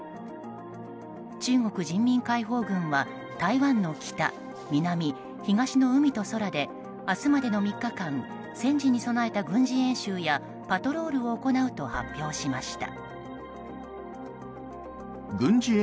中国人民解放軍は台湾の北、南、東の海と空で明日までの３日間戦時に備えた軍事演習やパトロールを行うと発表しました。